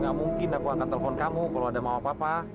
gak mungkin aku akan telepon kamu kalau ada mama papa